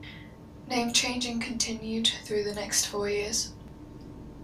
Name changing continued through next four years.